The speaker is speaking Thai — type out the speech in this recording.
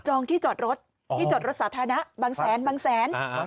จองที่จอดรถที่จอดรถสาธารณะบางแสน